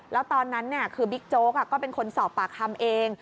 แล้วตอนนั้นคือบิ๊กโจ๊กก็เป็นคนสอบปากคำเอง